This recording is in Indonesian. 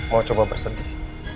gue mau coba bersedih